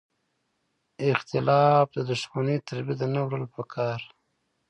اختلاف یې د دوښمنۍ تر بریده نه وړل پکار.